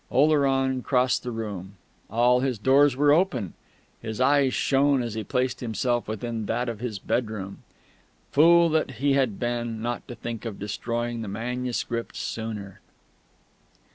Oleron crossed the room. All his doors were open; his eyes shone as he placed himself within that of his bedroom. Fool that he had been, not to think of destroying the manuscript sooner!...